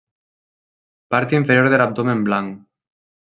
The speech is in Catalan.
Part inferior de l'abdomen blanc.